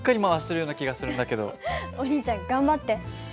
お兄ちゃん頑張って。